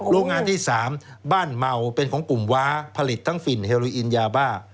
โรงงานที่๓บ้านเมาเป็นของกลุ่มว้าผลิตทั้งฝิ่นเฮโลอินยาบ้า